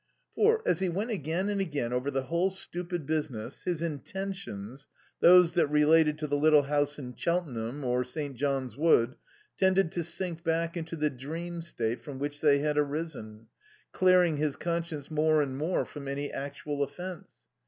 For, as he went again and again over the whole stupid business, his intentions those that related to the little house in Cheltenham or St. John's Wood tended to sink back into the dream state from which they had arisen, clearing his conscience more and more from any actual offence.